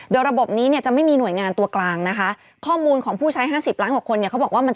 เดี๋ยวระบบนี้เนี่ยจะไม่มีหน่วยงานตัวกลางนะคะ